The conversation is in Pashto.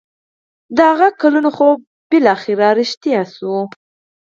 د هغه د کلونو خوب بالاخره رښتيا شوی و.